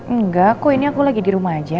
enggak kok ini aku lagi di rumah aja